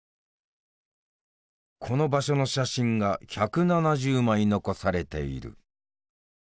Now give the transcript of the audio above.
この場所の写真が１７０枚残されている。